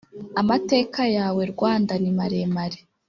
Amateka yawe Rwanda ni maremare